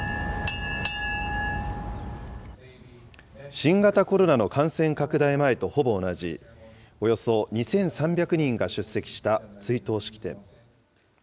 新型コロナの感染拡大前とほぼ同じ、およそ２３００人が出席した追悼式典。